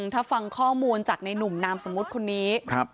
ถ้าฟังข้อมูลจากในหนุ่มนามสมมุติคนนี้